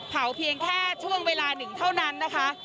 เพียงแค่ช่วงเวลาหนึ่งเท่านั้นนะคะ